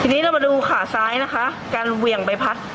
ทีนี้เรามาดูขาซ้ายนะคะการเหวี่ยงใบพัด